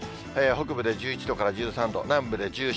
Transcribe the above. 北部で１１度から１３度、南部で１４、５度。